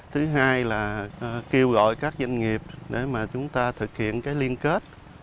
thứ hai là kêu gọi các doanh nghiệp để mà chúng ta thực hiện cái liên kết